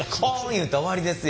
いうたら終わりですよ。